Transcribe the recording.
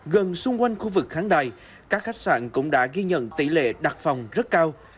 gần xung quanh khu vực khán đài các khách sạn cũng đã ghi nhận tỷ lệ đặt phòng rất cao